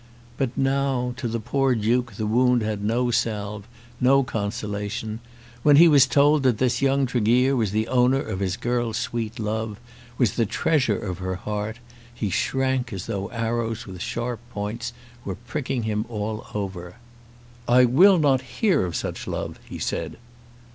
But now, to the poor Duke the wound had no salve, no consolation. When he was told that this young Tregear was the owner of his girl's sweet love, was the treasure of her heart, he shrank as though arrows with sharp points were pricking him all over. "I will not hear of such love," he said.